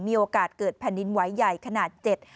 มีโอกาสเกิดแผ่นดินไหวใหญ่ขนาดเจ็ด